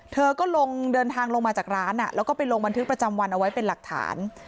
เธอก็ลงเดินทางลงมาจากร้านแล้วก็ไปลงบันทึกประจำวันเอาไว้เป็นหลักฐาน